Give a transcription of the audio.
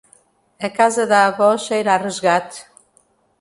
A casa da avó cheira a resgate.